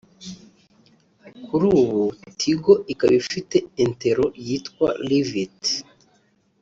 Kuri ubu Tigo ikaba ifite intero yitwa ‘Live it